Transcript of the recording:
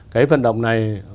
cái vận động này